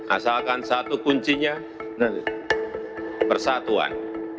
asalkan satu kuncinya persatuan